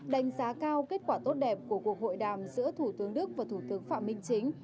đánh giá cao kết quả tốt đẹp của cuộc hội đàm giữa thủ tướng đức và thủ tướng phạm minh chính